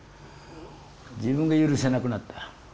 自分が許せなくなった。